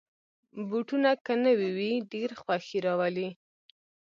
بوټونه که نوې وي، ډېر خوښي راولي.